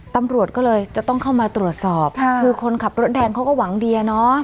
ตำรวจก็เลยจะต้องเข้ามาตรวจสอบคือคนขับรถแดงเขาก็หวังเดียเนอะ